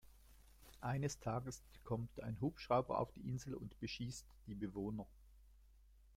Eines Tages kommt ein Hubschrauber auf die Insel und beschießt die Bewohner.